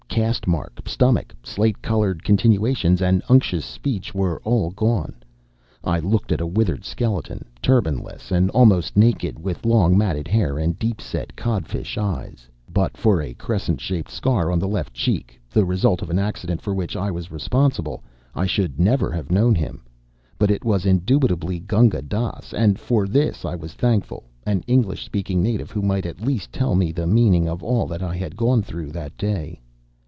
Caste mark, stomach, slate colored continuations, and unctuous speech were all gone. I looked at a withered skeleton, turban less and almost naked, with long matted hair and deep set codfish eyes. But for a crescent shaped scar on the left cheek the result of an accident for which I was responsible I should never have known him. But it was indubitably Gunga Dass, and for this I was thankfull an English speaking native who might at least tell me the meaning of all that I had gone through that day.